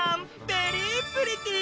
ベリープリティー！